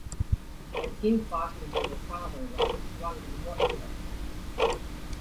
They begin fighting until their father arrives wondering what is going on.